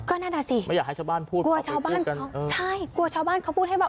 ก็นั่นอ่ะสิไม่อยากให้ชาวบ้านพูดกลัวชาวบ้านกับเขาใช่กลัวชาวบ้านเขาพูดให้มา